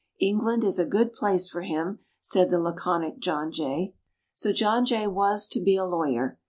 "England is a good place for him," said the laconic John Jay. So John Jay was to be a lawyer.